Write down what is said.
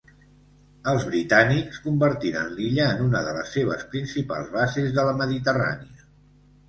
Els britànics convertiren l'illa en una de les seves principals bases de la Mediterrània.